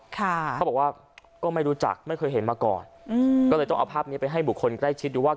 เขาบอกว่าก็ไม่รู้จักไม่เคยเห็นมาก่อนอืมก็เลยต้องเอาภาพนี้ไปให้บุคคลใกล้ชิดดูว่า